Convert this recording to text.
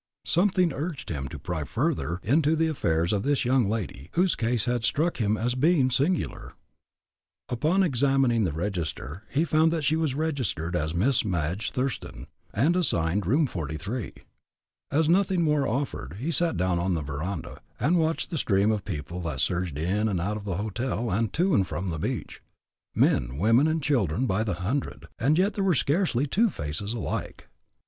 Something urged him to pry further into the affairs of this young lady, whose case had struck him as being singular. On examining the register, he found that she was registered as Miss Madge Thurston, and assigned room 43. As nothing more offered, he sat down on the veranda, and watched the stream of people that surged in and out of the hotel, and to and from the beach men, women, and children by the hundred, and yet there were scarcely two faces alike.